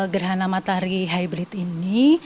gerhana matahari hybrid ini